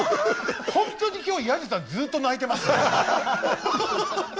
本当に今日彌十さんずっと泣いてますね。